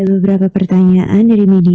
beberapa pertanyaan dari media